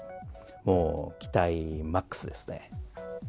もう期待マックスですね。